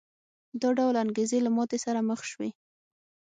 دا ډول انګېزې له ماتې سره مخ شوې.